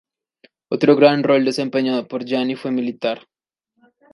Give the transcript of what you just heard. El otro gran rol desempeñado por Jani fue militar.